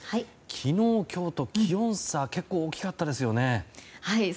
昨日、今日と気温差が結構大きかったですよね。